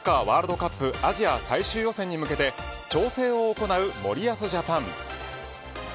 ワールドカップアジア最終予選に向けて調整を行う森保ジャパン。